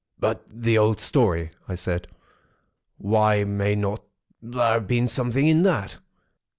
"But the old story!" I said. "Why may not there have been something in that?"